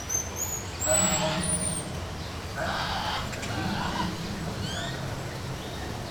Guanyen molts diners, tants que el casino pensa que els estan robant.